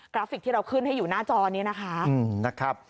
กราฟิกที่เราขึ้นให้อยู่หน้าจอนี้นะคะอืมนะครับ